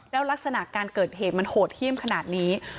แล้วลักษณะการเกิดเหตุมันโหดเยี่ยมขนาดนี้